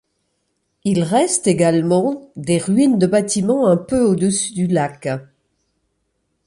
Il reste également des ruines de bâtiments un peu au-dessus du lac.